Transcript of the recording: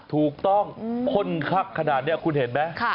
ถูกต้องข้นคับขนาดนี้คุณเห็นไหม